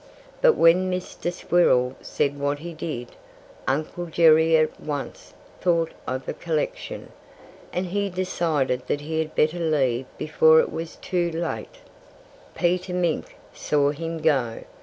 But when Mr. Squirrel said what he did, Uncle Jerry at once thought of a collection. And he decided that he had better leave before it was too late. Peter Mink saw him go.